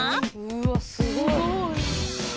うわすごい！